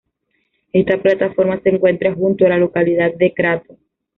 Esta plataforma se encuentra junto a la localidad de Crato.